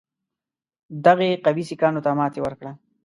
دغې قوې سیکهانو ته ماته ورکړه.